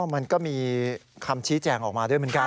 มันก็มีคำชี้แจงออกมาด้วยเหมือนกัน